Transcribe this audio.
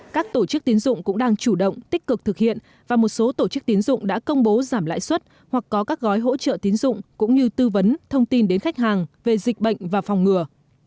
các tổ chức tiến dụng cũng đang chủ động tích cực thực hiện và một số tổ chức tín dụng đã công bố giảm lãi suất hoặc có các gói hỗ trợ tín dụng cũng như tư vấn thông tin đến khách hàng về dịch bệnh và phòng ngừa